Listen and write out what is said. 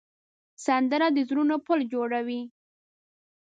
سندره د زړونو پل جوړوي